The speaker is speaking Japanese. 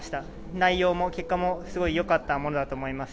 内容も結果もすごいよかったものだと思います。